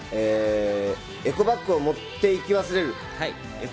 エコバッグを持って行き忘れる。